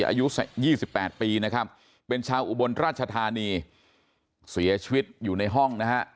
อายุ๒๘ปีนะครับเป็นชาวอุบลราชธานีเสียชีวิตอยู่ในห้องนะฮะ